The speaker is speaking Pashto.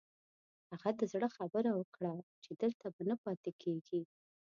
هغه د زړه خبره وکړه چې دلته به نه پاتې کېږي.